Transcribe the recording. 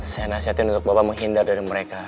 saya nasihatin untuk bapak menghindar dari mereka